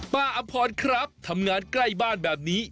อำพรครับทำงานใกล้บ้านแบบนี้